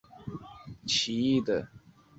注意某些是有歧义的。